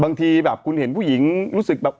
บางทีแบบคุณเห็นผู้หญิงรู้สึกแบบ